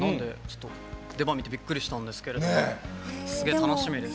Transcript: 出番見てびっくりしたんですけどすごい楽しみです。